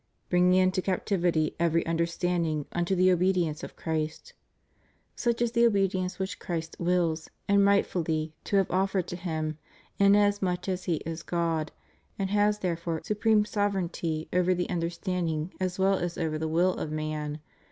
Bringing into captivity every under standing unto the obedience of Christ} Such is the obedience which Christ wills, and rightfully, to have offered to Him, inasmuch as He is God, and has therefore supreme sov ereignty over the understanding as well as over the will of man.